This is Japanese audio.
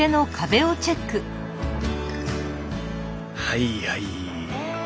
はいはい。